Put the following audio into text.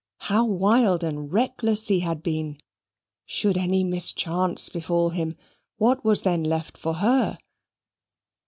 How wild and reckless he had been! Should any mischance befall him: what was then left for her?